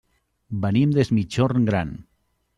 Venim des Migjorn Gran.